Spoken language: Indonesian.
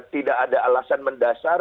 tidak ada alasan mendasar